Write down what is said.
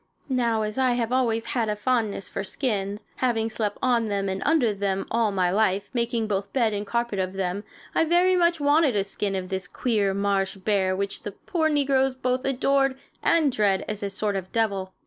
Now, as I have always had a fondness for skins having slept on them and under them all my life, making both bed and carpet of them I very much wanted a skin of this queer marsh bear which the poor negroes both adore and dread as a sort of devil.